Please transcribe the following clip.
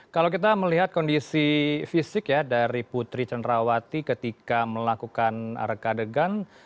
kalau kita melihat kondisi fisik ya dari putri cenrawati ketika melakukan rekadegan